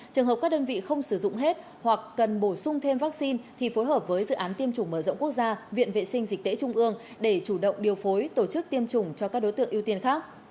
trường hợp các đơn vị không sử dụng hết hoặc cần bổ sung thêm vaccine thì phối hợp với dự án tiêm chủng mở rộng quốc gia viện vệ sinh dịch tễ trung ương để chủ động điều phối tổ chức tiêm chủng cho các đối tượng ưu tiên khác